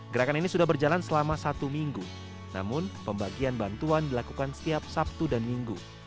gerakan ini sudah berjalan selama satu minggu namun pembagian bantuan dilakukan setiap sabtu dan minggu